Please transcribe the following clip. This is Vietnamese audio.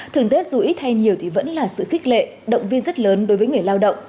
thường tết dù ít hay nhiều thì vẫn là sự khích lệ động viên rất lớn đối với người lao động